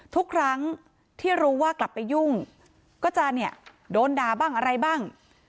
ทุกครั้งที่รู้ว่ากลับไปยุ่งก็จะเนี่ยโดนด่าบ้างอะไรบ้าง